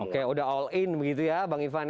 oke udah all in begitu ya bang ivan